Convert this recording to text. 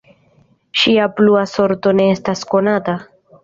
Ŝia plua sorto ne estas konata.